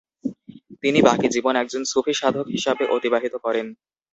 তিনি বাকি জীবন একজন সুফি সাধক হিসাবে অতিবাহিত করেন।